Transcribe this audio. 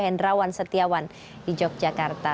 hendrawan setiawan di yogyakarta